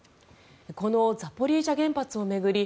このザポリージャ原発を巡り